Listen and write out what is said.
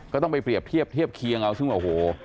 ก็ต้องไปเปรียบเทียบเทียบเคียงเอาซึ่งโอ้โห